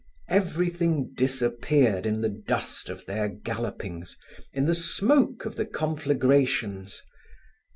Everything disappeared in the dust of their gallopings, in the smoke of the conflagrations.